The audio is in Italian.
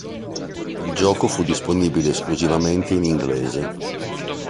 Il gioco fu disponibile esclusivamente in inglese.